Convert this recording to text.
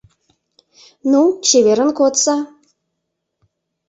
Ну, чеверын кодса!